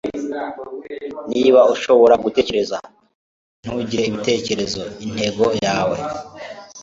Niba ushobora gutekereza kandi ntugire ibitekerezo intego yawe